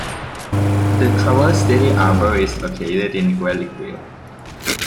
The Traverse City Harbor is located in Greilickville.